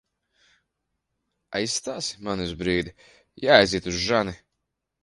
Aizstāsi mani uz brīdi? Jāaiziet uz žani.